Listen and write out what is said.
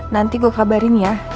nanti gue kabarin ya